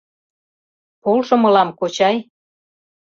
— Полшо мылам, кочай!